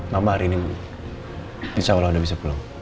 tambah hari ini insya allah udah bisa pulang